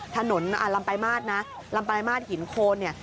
ลำปลายมาตรนะลำปลายมาตรหินโคนเนี่ย